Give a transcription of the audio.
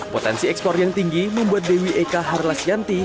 potensi ekspor yang tinggi membuat dewi eka harlas yanti